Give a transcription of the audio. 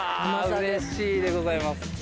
うれしいでございます。